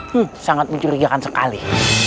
hmm sangat mencurigakan sekali